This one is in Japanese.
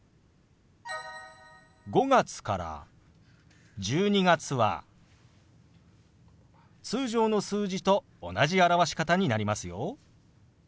５月から１２月は通常の数字と同じ表し方になりますよ。